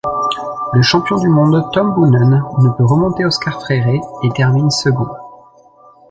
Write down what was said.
Le champion du monde, Tom Boonen, ne peut remonter Oscar Freire et termine second.